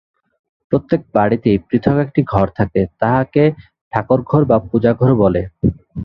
প্রত্যেক বাড়ীতেই পৃথক একটি ঘর থাকে, তাহাকে ঠাকুরঘর বা পূজাগৃহ বলে।